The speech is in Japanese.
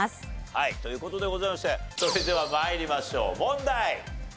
はいという事でございましてそれでは参りましょう問題。